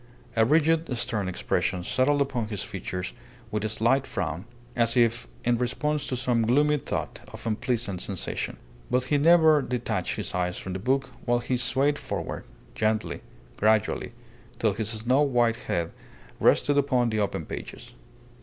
A rigid, stern expression settled upon his features with a slight frown, as if in response to some gloomy thought or unpleasant sensation. But he never detached his eyes from the book while he swayed forward, gently, gradually, till his snow white head rested upon the open pages.